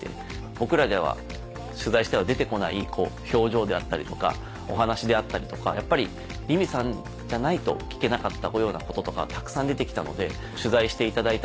僕らでは取材しては出てこない表情であったりとかお話であったりとかやっぱり凛美さんじゃないと聞けなかったようなこととかたくさん出てきたので取材していただいた